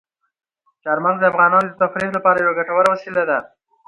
چار مغز د افغانانو د تفریح لپاره یوه ګټوره وسیله ده.